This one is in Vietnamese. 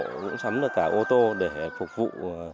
cũng sắm được cả ô tô để phục vụ